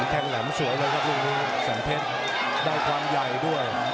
แทงแหลมสวยเลยครับลูกนี้แสนเพชรได้ความใหญ่ด้วย